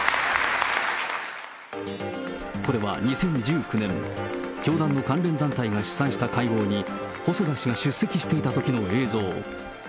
これは２０１９年、教団の関連団体が主催した会合に、細田氏が出席していたときの映像。